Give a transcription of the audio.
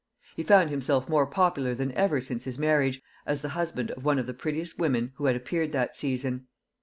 He found himself more popular than ever since his marriage, as the husband of one of the prettiest women who had appeared that season.